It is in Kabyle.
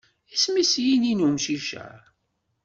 Isem-is yini n umcic-a?